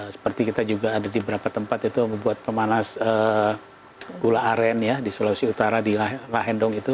seperti kita juga ada di beberapa tempat itu membuat pemanas gula aren ya di sulawesi utara di lahendong itu